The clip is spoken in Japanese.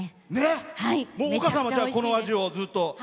丘さんはこの味をずっと？